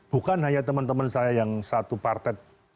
bukan hanya teman teman saya yang satu partai